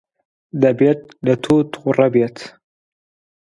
دەبێت لە تۆ تووڕە بێت.